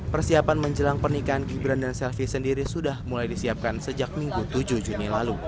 persiapan menjelang pernikahan gibran dan selvi sendiri sudah mulai disiapkan sejak minggu tujuh juni lalu